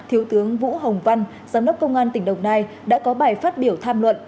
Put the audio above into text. thiếu tướng vũ hồng văn giám đốc công an tỉnh đồng nai đã có bài phát biểu tham luận